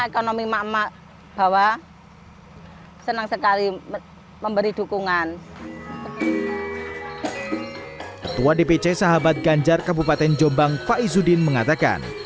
ketua dpc sahabat ganjar kabupaten jombang pak izudin mengatakan